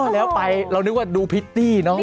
แล้วไปเรานึกว่าดูพิตตี้เนอะ